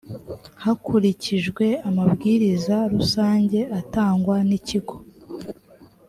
hakurikijwe amabwiriza rusange atangwa n ikigo